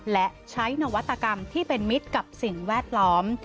และใช้นวัตกรรมที่เป็นมิตรกับสิ่งแวดล้อม